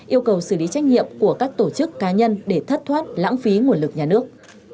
yêu cầu xử lý trách nhiệm của các tổ chức cá nhân để thất thoát lãng phí nguồn lực nhà nước